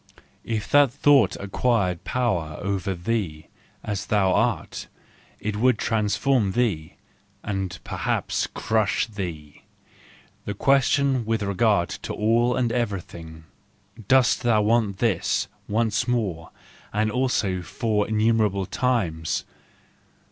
If that thought acquired power over thee, as thou art, it would transform thee, and perhaps crush thee; the question with regard to all and everything :" Dost thou want this once more, and also for innumerable times